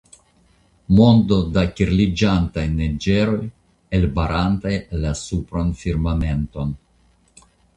mondo da kirliĝantaj neĝeroj elbarantaj la supran firmamenton.